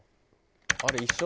あれ一緒？